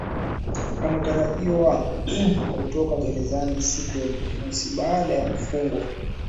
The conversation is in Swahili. anatarajiwa kutoka gerezani siku ya jumamosi baada ya kufungwa